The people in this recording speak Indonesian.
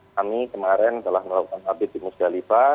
kami kemarin telah melakukan tabir di musdalifah